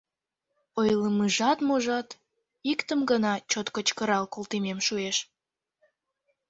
Ойлымыжат-можат, иктым гына чот кычкырал колтымем шуэш: